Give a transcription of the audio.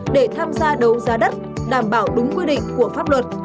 để tham gia đấu giá đất đảm bảo đúng quy định của pháp luật